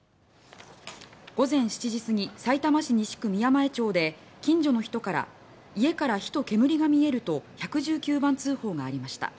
午前７時過ぎさいたま市西区宮前町で近所の人から家から火と煙が見えると１１９番通報がありました。